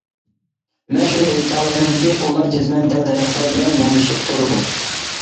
مەن شۇنى ئېيتالايمەنكى، ئۇلار جەزمەن دەل-دەرەخلەر بىلەن مۇڭدىشىپ تۇرىدۇ.